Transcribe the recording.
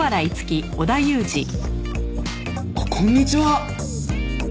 あっこんにちは！